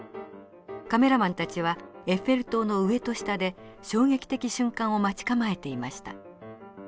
カメラマンたちはエッフェル塔の上と下で衝撃的瞬間を待ち構えていました。